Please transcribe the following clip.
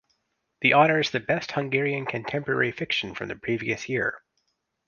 The honours the best Hungarian contemporary fiction from the previous year.